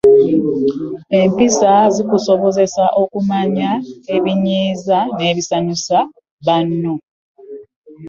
Empisa zikusobozesa okumanya ebinyiiza n'ebisanyusa banno.